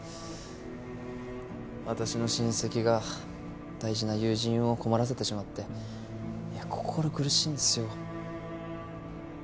私の親戚が大事な友人を困らせてしまって心苦しいんですよ。